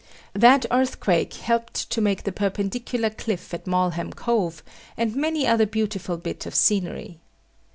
That earthquake helped to make the perpendicular cliff at Malham Cove, and many another beautiful bit of scenery.